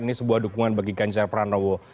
ini sebuah dukungan bagi ganjar pranowo